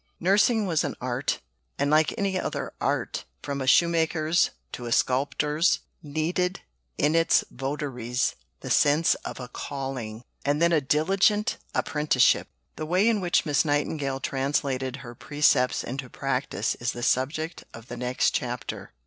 Nursing was an art, and like any other art, "from a shoemaker's to a sculptor's, needed in its votaries the sense of a 'calling,' and then a diligent apprenticeship." The way in which Miss Nightingale translated her precepts into practice is the subject of the next chapter.